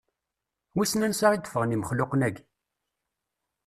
Wissen ansa i d-ffɣen imexluqen-aki?